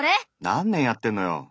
何年やってんのよ！